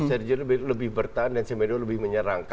sergio lebih bertahan dan semedo lebih menyerang